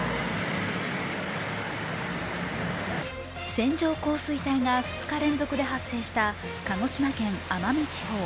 線状降水帯が２日連続で発生した鹿児島県奄美地方。